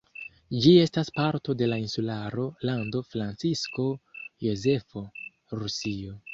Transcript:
Ĝi estas parto de la insularo Lando Francisko Jozefo, Rusio.